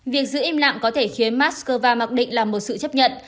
việc giữ im lặng có thể khiến moscow mặc định là một sự chấp nhận